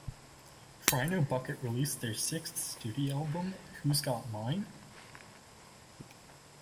Rhino Bucket released their sixth studio album Who's Got Mine?